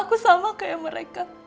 aku sama seperti mereka